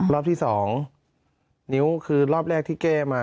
รอบที่๒นิ้วคือรอบแรกที่แก้มา